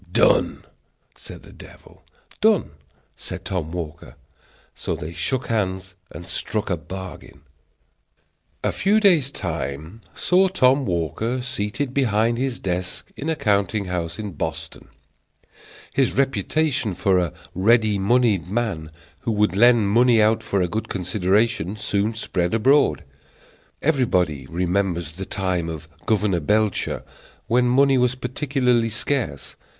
"Done!" said the devil. "Done!" said Tom Walker. So they shook hands and struck a bargain. A few days' time saw Tom Walker seated behind his desk in a counting house in Boston. His reputation for a ready moneyed man, who would lend money out for a good consideration, soon spread abroad. Everybody remembers the time of Governor Belcher, when money was particularly scarce.